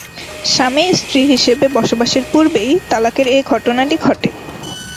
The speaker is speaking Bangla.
স্বামী-স্ত্রী হিসেবে বসবাসের পূর্বেই তালাকের এ ঘটনাটি ঘটে।